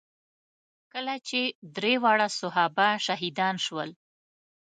کله چې درې واړه صحابه شهیدان شول.